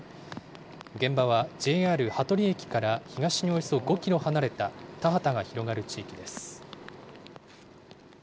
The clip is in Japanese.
現場はＪＲ羽鳥駅から東におよそ５キロ離れた、田畑が広がる地域です。